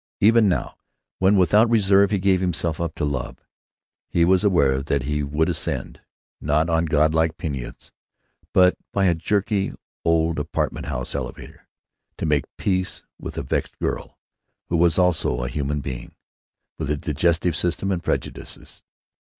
Even now, when without reserve he gave himself up to love, he was aware that he would ascend, not on godlike pinions, but by a jerky old apartment house elevator, to make peace with a vexed girl who was also a human being, with a digestive system and prejudices.